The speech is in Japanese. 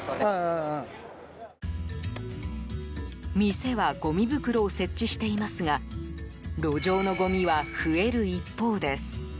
店はごみ袋を設置していますが路上のごみは増える一方です。